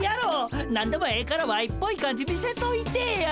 何でもええからワイっぽい感じ見せといてぇや！